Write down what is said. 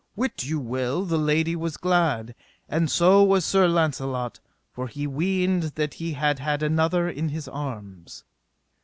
Wit you well the lady was glad, and so was Sir Launcelot, for he weened that he had had another in his arms.